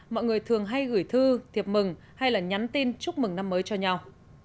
mọi người thường hay gửi thư tiệp mừng hay là nhắn tin chúc mừng năm mới cho nhau